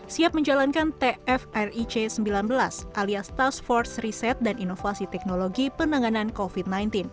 siap menjalankan tfric sembilan belas alias task force reset dan inovasi teknologi penanganan covid sembilan belas